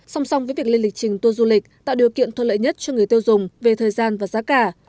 song song với việc lên lịch trình tour du lịch tạo điều kiện thuận lợi nhất cho người tiêu dùng về thời gian và giá cả